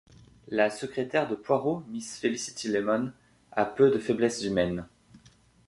La secrétaire de Poirot, Miss Felicity Lemon, a peu de faiblesses humaines.